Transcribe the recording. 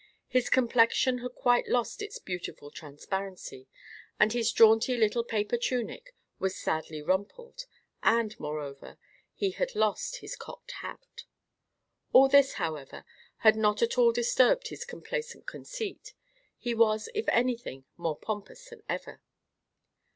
His complexion had quite lost its beautiful transparency, and his jaunty little paper tunic was sadly rumpled, and, moreover, he had lost his cocked hat. All this, however, had not at all disturbed his complacent conceit; he was, if anything, more pompous than ever.